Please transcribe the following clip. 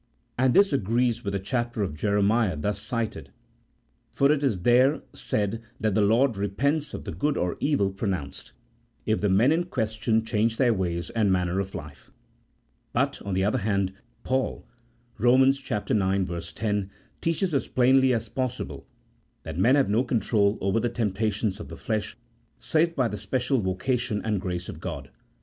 And this agrees with the chapter of Jeremiah just cited, for it is there said that the Lord repents of the good or the evil pronounced, if the men in question change their ways and manner of life. But, on the other hand, Paul (Eom. ix. 10) teaches as plainly as possible that men have no control over the temptations of the flesh save by the special voca tion and grace of God.